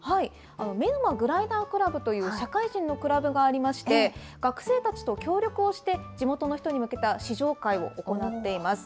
めぬまグライダークラブという社会人のクラブがありまして、学生たちと協力をして、地元の人に向けた試乗会を行っています。